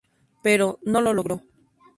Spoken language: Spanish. Pero, no lo logró.